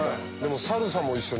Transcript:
サルサも一緒に。